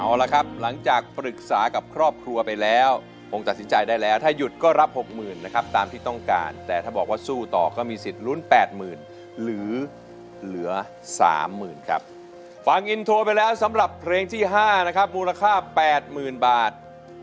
เอาละครับหลังจากปรึกษากับครอบครัวไปแล้วคงตัดสินใจได้แล้วถ้าหยุดก็รับ๖๐๐๐นะครับตามที่ต้องการแต่ถ้าบอกว่าสู้ต่อก็มีสิทธิ์ลุ้น๘๐๐๐หรือเหลือ๓๐๐๐ครับฟังอินโทรไปแล้วสำหรับเพลงที่๕นะครับมูลค่า๘๐๐๐บาท